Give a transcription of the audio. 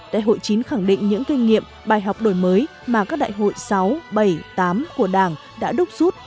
đại hội chín khẳng định những kinh nghiệm bài học đổi mới mà các đại hội sáu bảy tám của đảng đã đúc rút